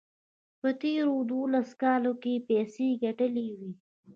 په تېرو دولسو کالو کې یې پیسې ګټلې وې.